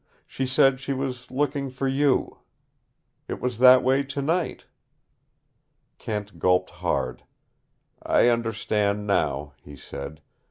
She said she was looking for you. It was that way tonight." Kent gulped hard. "I understand now," he said.